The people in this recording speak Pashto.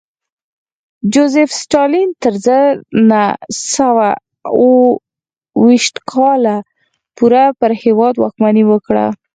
جوزېف ستالین تر زر نه سوه اوه ویشت کال پورې پر هېواد واکمني وکړه